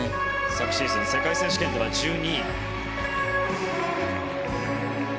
昨シーズン世界選手権では１２位。